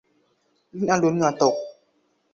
เล่นเอาลุ้นเหงื่อตก